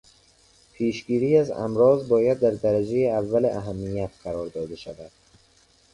پیشگیری از امراض باید در درجهٔ اول اهمیت قرار داده شود.